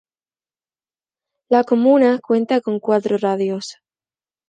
La comuna cuenta con cuatro radios.